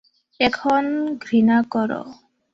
আর এখন ঘৃণা করো।